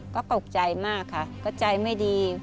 ก็ตกใจมากค่ะก็ใจไม่ดี